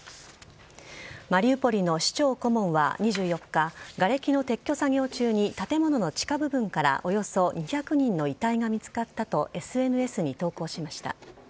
マリウポリの市長顧問は２４日がれきの撤去作業中に建物の地下部分からおよそ２００人の遺体が見つかったとＳＮＳに投稿しました。